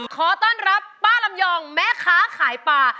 ขอต้อนรับป้าลำยองแม่ค้าขายปลา